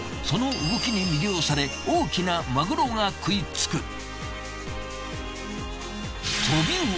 その動きに魅了され大きなマグロが喰いつく。